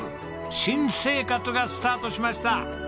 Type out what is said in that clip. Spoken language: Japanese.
新生活がスタートしました。